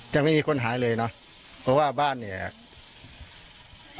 ยังไม่มีคนหายเลยเนอะเพราะว่าบ้านเนี่ย